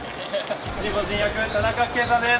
神保仁役田中圭さんです。